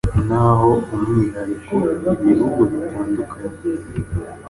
Naho umwihariko ibihugu bitandukanye